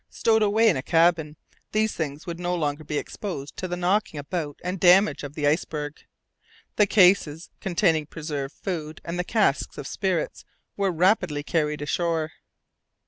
Stowed away in a cabin, these things would no longer be exposed to the knocking about and damage of the iceberg. The cases containing preserved food and the casks of spirits were rapidly carried ashore.